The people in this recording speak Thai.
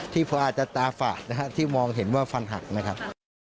ที่เพราะอาจจะตาฝาดนะครับที่มองเห็นว่าฟันหักไหมครับ